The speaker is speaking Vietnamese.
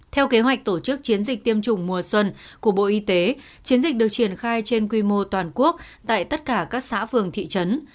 theo kế hoạch tổ chức chiến dịch tiêm chủng mùa xuân của bộ y tế chiến dịch được triển khai trên quy mô toàn quốc tại tất cả các xã phường thị trấn